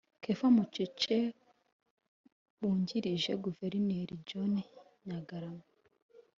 Kefa Mocheche wungirije Guverineri John Nyagarama